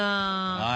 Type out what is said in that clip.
はい。